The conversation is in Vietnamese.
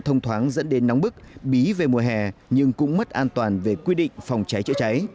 thông thoáng dẫn đến nóng bức bí về mùa hè nhưng cũng mất an toàn về quy định phòng cháy chữa cháy